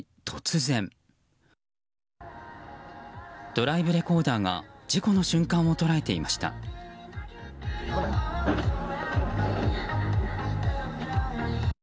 ドライブレコーダーが事故の瞬間を捉えていました。